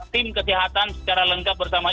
tim kesehatan secara lengkap bersama